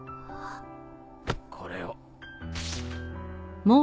・これを